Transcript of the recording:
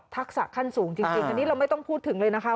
ขั้นสูงจริงอันนี้เราไม่ต้องพูดถึงเลยนะคะ